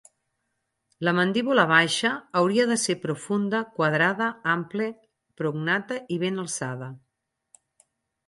La mandíbula baixa hauria de ser profunda, quadrada, ample, prognata i ben alçada.